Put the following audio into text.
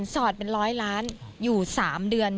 สอดเป็นร้อยล้านอยู่๓เดือน